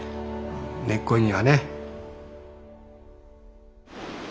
根っこにはね。